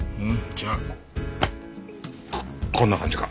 じゃあこっこんな感じか？